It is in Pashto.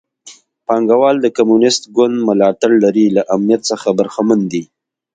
پانګوال د کمونېست ګوند ملاتړ لري له امنیت څخه برخمن دي.